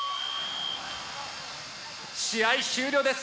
試合終了です。